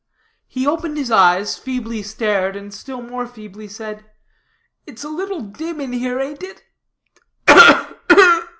He opened his eyes, feebly stared, and still more feebly said "It's a little dim here, ain't it?